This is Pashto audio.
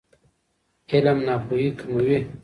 علم ناپوهي کموي.